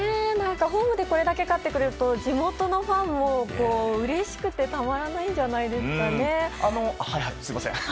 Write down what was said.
ホームでこれだけ勝ってくれると地元のファンもうれしくてたまらないんじゃないですかね。